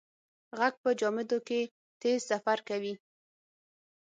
غږ په جامدو کې تېز سفر کوي.